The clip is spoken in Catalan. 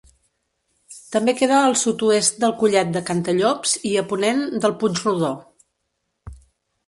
També queda al sud-oest del Collet de Cantallops i a ponent del Puig Rodó.